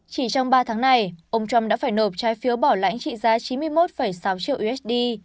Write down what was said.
chỉ trong ba tháng này ông trump đã phải nộp trái phiếu bảo lãnh trị giá chín mươi một sáu triệu usd